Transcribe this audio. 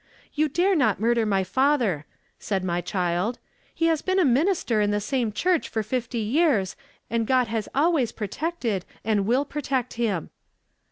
'You dare not murder my father,' said my child; 'he has been a minister in the same church for fifty years, and God has always protected, and will protect him.'